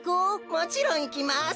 もちろんいきます。